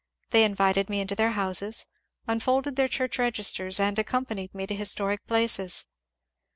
They invited me into their houses, unfolded their church registers, and accompanied me to his toric places.